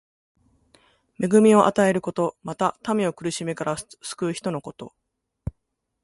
恵みを与えること。また、民を苦しみから救う人のこと。